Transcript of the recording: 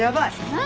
何？